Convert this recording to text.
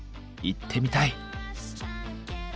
行ってみたい！